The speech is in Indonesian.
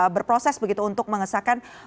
berproses begitu untuk mengesahkan